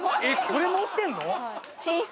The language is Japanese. えこれ持ってんの？